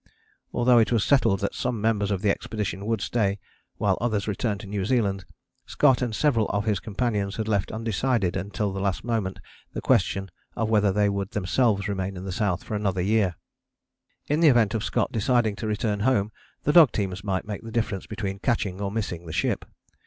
Although it was settled that some members of the expedition would stay, while others returned to New Zealand, Scott and several of his companions had left undecided until the last moment the question of whether they would themselves remain in the South for another year. In the event of Scott deciding to return home the dog teams might make the difference between catching or missing the ship.